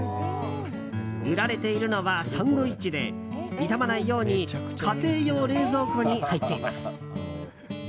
売られているのはサンドイッチで傷まないように家庭用冷蔵庫に入っています。